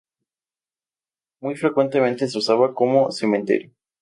Muy frecuentemente se usaba como cementerio.